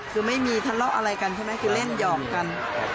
คือไม่มีทะเลาะอะไรกันใช่ไหมคือเล่นหย่องกัน